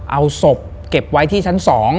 เอาศพเก็บไว้ที่ชั้น๒